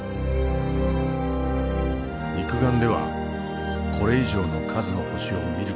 肉眼ではこれ以上の数の星を見る事はできない。